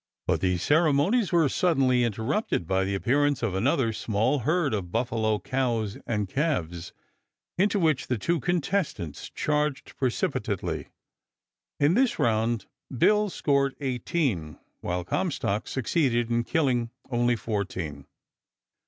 But these ceremonies were suddenly interrupted by the appearance of another small herd of buffalo cows and calves, into which the two contestants charged precipitately. In this "round" Bill scored eighteen, while Comstock succeeded in killing only fourteen.